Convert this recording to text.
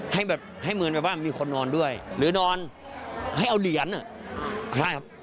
ให้แบบให้เหมือนแบบว่ามีคนนอนด้วยหรือนอนให้เอาเหรียญอ่ะใช่ครับ